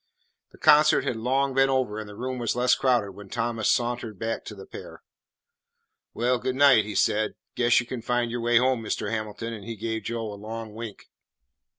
The concert had long been over and the room was less crowded when Thomas sauntered back to the pair. "Well, good night," he said. "Guess you can find your way home, Mr. Hamilton;" and he gave Joe a long wink.